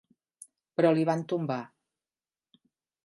Però li van tombar.